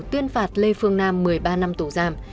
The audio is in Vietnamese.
tuyên phạt lê phương nam một mươi ba năm tù giam